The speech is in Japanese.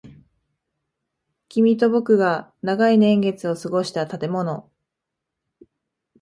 君と僕が長い年月を過ごした建物。